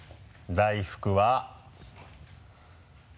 大福は。